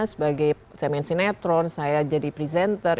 sebagai saya main sinetron saya jadi presenter